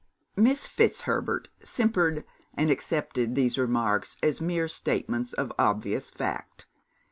Miss Fitzherbert simpered, and accepted these remarks as mere statements of obvious fact.